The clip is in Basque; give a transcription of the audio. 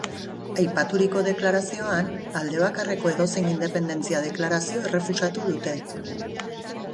Aipaturiko deklarazioan, aldebakarreko edozein independentzia deklarazio errefusatu dute.